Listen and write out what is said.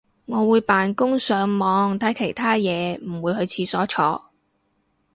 我會扮工上網睇其他嘢唔會去廁所坐